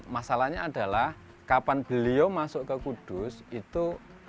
masalahnya adalah kapan beliau masuk ke kudus itu